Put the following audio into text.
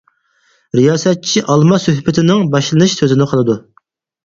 رىياسەتچى ئالما سۆھبىتىنىڭ باشلىنىش سۆزىنى قىلىدۇ.